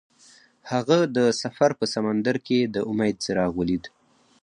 هغه د سفر په سمندر کې د امید څراغ ولید.